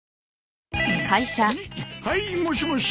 ☎はいもしもし？